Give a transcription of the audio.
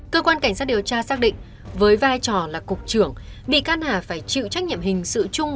cơ quan cảnh sát điều tra xác định với vai trò là cục trưởng bị can hà phải chịu trách nhiệm hình sự chung